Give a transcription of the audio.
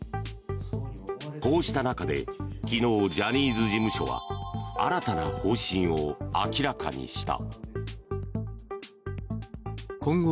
こうした中で昨日、ジャニーズ事務所は新たな方針を明らかにした。